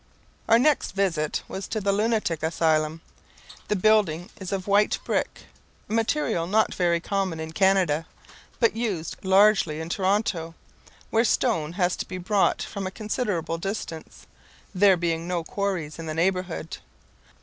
S.M. Our next visit was to the Lunatic Asylum. The building is of white brick, a material not very common in Canada, but used largely in Toronto, where stone has to be brought from a considerable distance, there being no quarries in the neighbourhood.